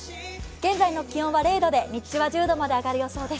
現在の気温は０度で日中は１０度まで上がる予想です。